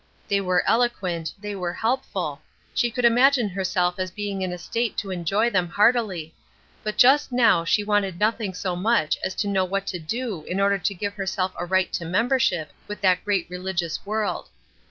They were eloquent, they were helpful; she could imagine herself as being in a state to enjoy them heartily, but just now she wanted nothing so much as to know what to do in order to give herself a right to membership with that great religious world.